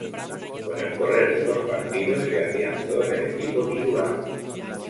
Con el correr de los partidos se afianzó en el equipo titular.